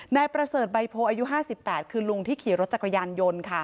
นายประเสริฐใบโพอายุ๕๘คือลุงที่ขี่รถจักรยานยนต์ค่ะ